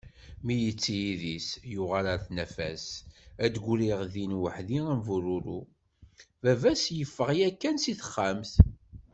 Mi yetti idis yuɣal ɣer tnafa-s ad d-griɣ din waḥdi am bururu. Baba-s yeffeɣ yakkan seg texxamt.